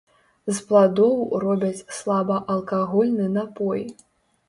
З пладоў робяць слабаалкагольны напой.